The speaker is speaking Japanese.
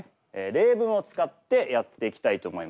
例文を使ってやっていきたいと思います。